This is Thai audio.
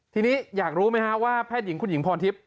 ทีนี้อยากรู้ไหมฮะว่าแพทย์หญิงคุณหญิงพรทิพย